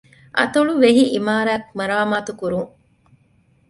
އަތޮޅުވެހި އިމާރާތް މަރާމާތުކުރުން